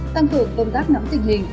tăng cường công tác nắm tình hình